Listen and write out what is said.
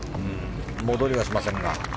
戻りはしませんが。